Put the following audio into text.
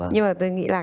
nhưng mà tôi nghĩ là